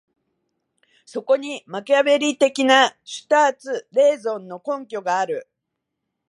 そこにマキァヴェリ的なシュターツ・レーゾンの根拠がある。